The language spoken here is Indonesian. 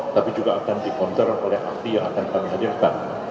tapi juga akan dikonser oleh ahli yang akan kami hadirkan